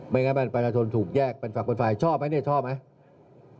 ไม่งั้นมันไปราชนถูกแยกเป็นฝั่งคนฝ่ายชอบไหมเนี่ยชอบไหม